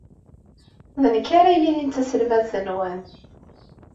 D nekk ara yilin d taselmadt-nwen.